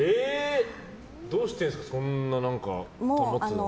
どうしてるんですか、保つの。